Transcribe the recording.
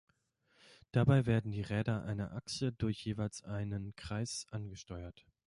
Dabei werden die Räder einer Achse durch jeweils einen Kreis angesteuert.